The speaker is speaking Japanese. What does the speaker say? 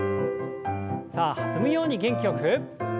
さあ弾むように元気よく。